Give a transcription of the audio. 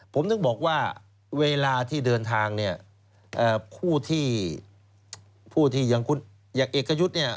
ผมต้องบอกว่าเวลาที่เดินทางเนี่ยผู้ที่อยากเอกยุทธ์เนี่ย